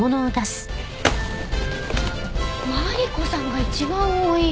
マリコさんが一番多い！